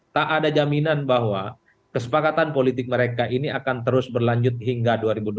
tak ada jaminan bahwa kesepakatan politik mereka ini akan terus berlanjut hingga dua ribu dua puluh